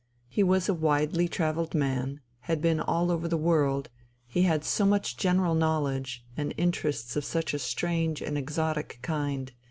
He was a widely travelled man, he had been all over the world, he had so much general knowledge, and interests of such a strange and exotic kind.